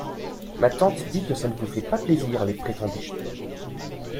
Ma tante dit que ça ne vous fait pas plaisir, les prétendus.